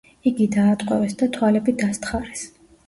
იგი დაატყვევეს და თვალები დასთხარეს.